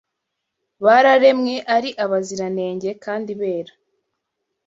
bararemwe ari abaziranenge kandi bera